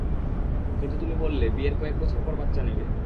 কিন্তু তুমি বললে, বিয়ের কয়েক বছর পর বাচ্ছা নেবে?